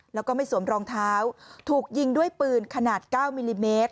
แล้วก็ไม่สวมรองเท้าถูกยิงด้วยปืนขนาด๙มิลลิเมตร